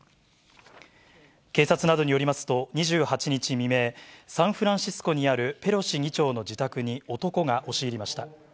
警察などによりますと、２８日未明、サンフランシスコにあるペロシ議長の自宅に男が押し入りました。